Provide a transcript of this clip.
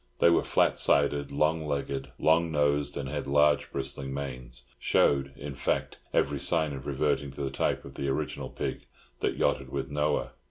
They were flat sided, long legged, long nosed, and had large bristling manes—showed, in fact, every sign of reverting to the type of the original pig that yachted with Noah.